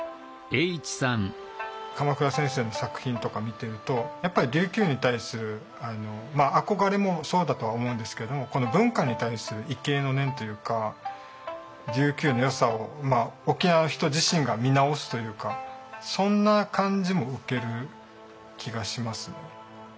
鎌倉先生の作品とか見てるとやっぱり琉球に対する憧れもそうだとは思うんですけれども文化に対する畏敬の念というか琉球のよさを沖縄の人自身が見直すというかそんな感じも受ける気がしますね。